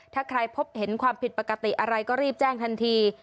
ถ้าใครพบเห็นความผิดปกติอะไรก็รีบแจ้งทันที